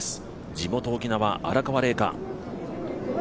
地元・沖縄、荒川怜郁。